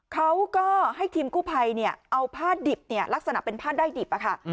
เขาก็ให้ทีมกู้ภัยเนี่ยเอาผ้าดิบเนี่ยลักษณะเป็นผ้าใดดิบค่ะ